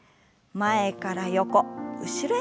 前から横後ろへ。